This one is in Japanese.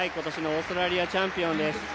今年のオーストラリアチャンピオンです。